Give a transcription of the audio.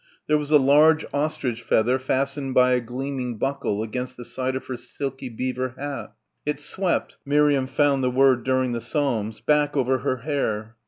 There was a large ostrich feather fastened by a gleaming buckle against the side of her silky beaver hat. It swept, Miriam found the word during the Psalms, back over her hair.